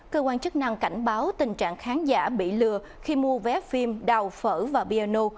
cơ quan chức năng cảnh báo tình trạng khán giả bị lừa khi mua vé phim đào phở và piano